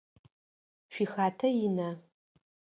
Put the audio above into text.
Шъуихатэ ина?